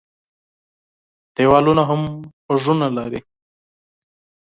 دېوالونه هم غوږونه لري.